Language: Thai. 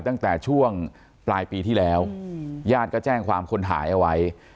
ตั้งแต่ช่วงปลายปีที่แล้วญาติก็แจ้งความคนหายเอาไว้